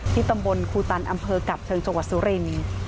ตำบลครูตันอำเภอกับเชิงจังหวัดสุรินทร์